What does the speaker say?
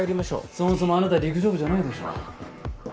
そもそもあなた陸上部じゃないでしょ。